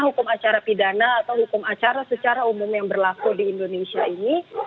hukum acara pidana atau hukum acara secara umum yang berlaku di indonesia ini